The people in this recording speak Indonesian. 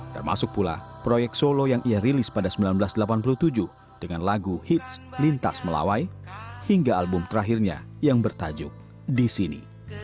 termasuk pula proyek solo yang ia rilis pada seribu sembilan ratus delapan puluh tujuh dengan lagu hits lintas melawai hingga album terakhirnya yang bertajuk di sini